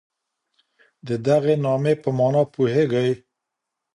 د دغي نامې په مانا پوهېږئ؟